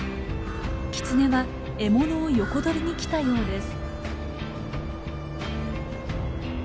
キツネは獲物を横取りにきたようです。